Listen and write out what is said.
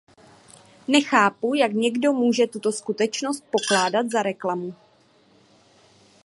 Nechápu, jak někdo může tuto skutečnost pokládat za reklamu.